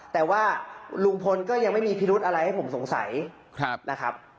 แต่ว่าลุงพลก็ยังไม่มีพิรุธอะไรให้ผมสงสัยนะครับ